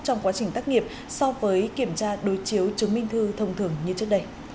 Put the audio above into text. trong quá trình tác nghiệp so với kiểm tra đối chiếu chứng minh thư thông thường như trước đây